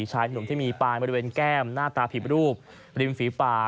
ชายหนุ่มที่มีปลายบริเวณแก้มหน้าตาผิดรูปริมฝีป่า